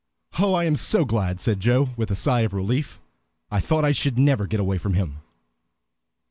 "Oh, I am so glad," said Joe, with a sigh of relief. "I thought I should never get away from him!"